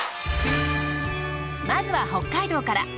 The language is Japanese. まずは北海道から。